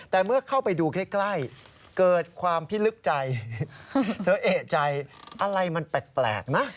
แต่เมื่อเข้าไปดูใกล้เกิดความพิลึกใจเธอเอกใจอะไรมันแปลกนะ